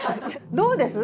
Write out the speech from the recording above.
どうです？